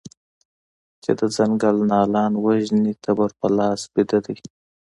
چې د ځنګل نهالان وژني تبر په لاس بیده دی